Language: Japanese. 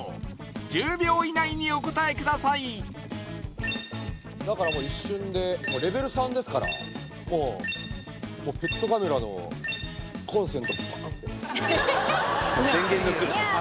１０秒以内にお答えくださいだからもう一瞬でもうレベル３ですからもうもうペットカメラのコンセントバンってもう電源抜く？